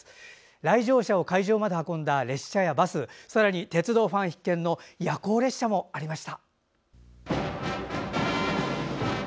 来場者を会場まで運んだ列車やバスさらに鉄道ファン必見の夜行列車もありました。